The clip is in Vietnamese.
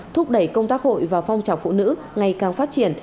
thúc đẩy công tác hội và phong trào phụ nữ ngày càng phát triển